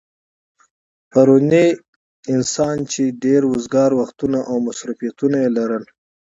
پرونی انسان چې ډېر وزگار وختونه او مصروفيتونه يې لرل